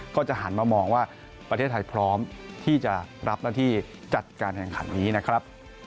ก็จะหันมามองว่าประเทศไทยพร้อมที่จะรับหน้าที่จัดการแข่งขันนี้นะครับ